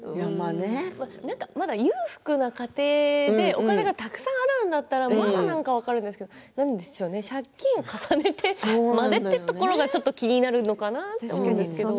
まだ裕福な家庭でお金がたくさんあるんだったら分かるんですけれど借金を重ねてまでというところがちょっと気になるのかなと思うんですけれど。